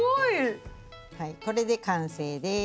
はいこれで完成です。